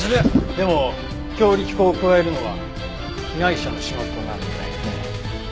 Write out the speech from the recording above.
でも強力粉を加えるのは被害者の仕事なんだよね？